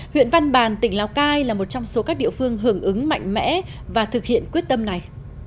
huyện văn bàn tỉnh lào cai là một trong số các địa phương hưởng ứng mạnh mẽ và thực hiện quyết tâm này